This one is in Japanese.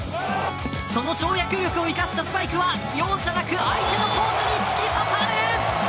その跳躍力を生かしたスパイクは容赦なく相手のコートに突き刺さる。